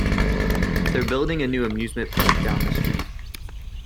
They're building a new amusement park down the street.